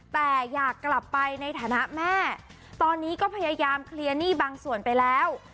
แต่อยากกลับไปในฐานะแม่ตอนนี้ก็พยายามเคลียร์หนี้บางส่วนไปแล้ว